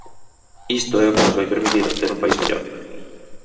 Isto é o que nos vai permitir ter un país mellor.